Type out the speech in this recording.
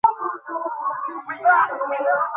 বেশ, যাই চল।